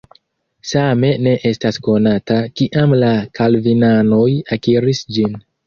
Same ne estas konata, kiam la kalvinanoj akiris ĝin.